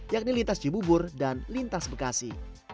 yakni lintas cibubur dan lintas bekasi